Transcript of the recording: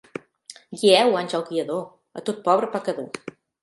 Guieu, àngel guiador, a tot pobre pecador.